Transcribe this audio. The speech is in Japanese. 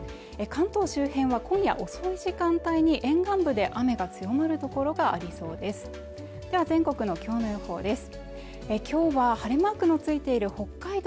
関東周辺は今夜遅い時間帯に沿岸部で雨が強まる所がありそうです